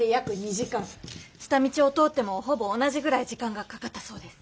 下道を通ってもほぼ同じぐらい時間がかかったそうです。